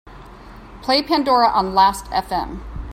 Play Pandora on Last Fm